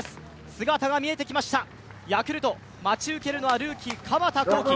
姿が見えてきました、ヤクルト、待ち受けるのはルーキー・鎌田航生。